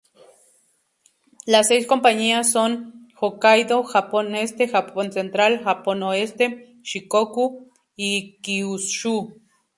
Las seis compañías son: Hokkaido, Japón Este, Japón Central, Japón Oeste, Shikoku y Kyushu.